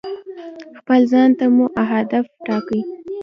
خپل ځان ته مو اهداف ټاکئ.